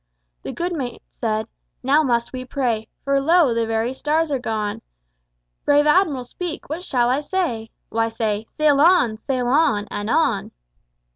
The good mate said: "Now must we pray, For lo! the very stars are gone. Brave Admiral, speak, what shall I say?" "Why, say 'Sail on! sail on! and on!'"